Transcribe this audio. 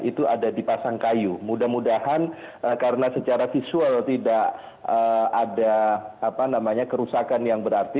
itu ada di pasangkayu mudah mudahan karena secara visual tidak ada kerusakan yang berarti